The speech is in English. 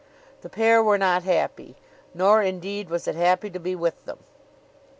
The pair were not happy; nor indeed was it happy to be with them.